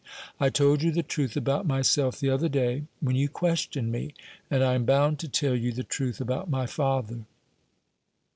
I told you the truth about myself the other day when you questioned me, and I am bound to tell you the truth about my father."